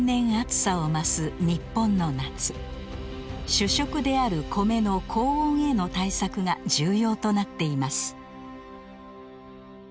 主食であるコメの高温への対策が重要となっています。